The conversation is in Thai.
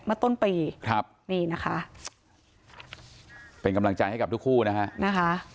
ต้นปีครับนี่นะคะเป็นกำลังใจให้กับทุกคู่นะฮะนะคะ